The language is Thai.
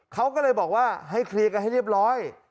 เขาก็เลยบอกว่าให้เคลียร์กันให้เรียบร้อย